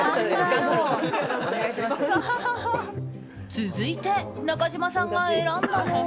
続いて中島さんが選んだのは。